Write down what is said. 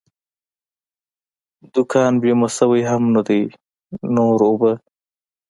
دوکان بیمه شوی هم نه وي، نور اوبه.